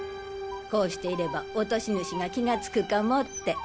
こうしていれば落とし主が気がつくかもって。